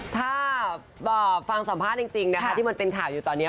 ถ้าฟังสัมภาษณ์จริงนะคะที่มันเป็นข่าวอยู่ตอนนี้